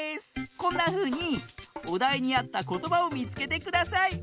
こんなふうにおだいにあったことばをみつけてください！